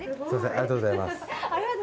ありがとうございます。